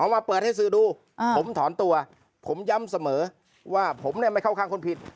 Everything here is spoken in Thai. มาเปิดให้สื่อดูผมถอนตัวผมย้ำเสมอว่าผมเนี่ยไม่เข้าข้างคนผิด